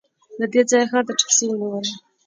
له دې ځايه ښار ته ټکسي ونیوله.